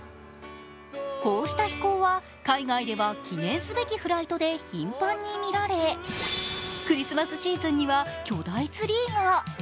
こうした飛行は海外では記念すべきフライトで頻繁に見られクリスマスシーズンには巨大ツリーが。